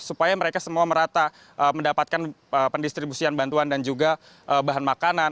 supaya mereka semua merata mendapatkan pendistribusian bantuan dan juga bahan makanan